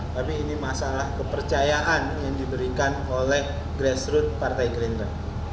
tapi ini masalah kepercayaan yang diberikan oleh grassroot partai gerindra